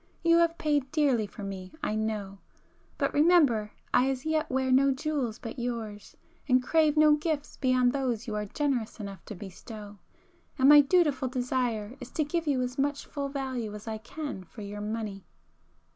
You have paid dearly for me I know;—but remember I as yet wear no jewels but yours, and crave no gifts beyond those you are generous enough to bestow,—and my dutiful desire is to give you as much full value as I can for your money."